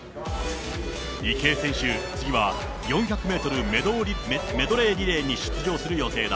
池江選手、次は４００メートルメドレーリレーに出場する予定だ。